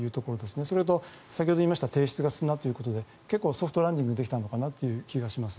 それと先ほど言いましたが底質が砂ということで結構ソフトランニングできた気がします。